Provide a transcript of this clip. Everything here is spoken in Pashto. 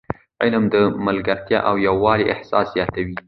علم د ملګرتیا او یووالي احساس زیاتوي.